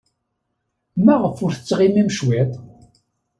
Maɣef ur tettɣimim cwiṭ?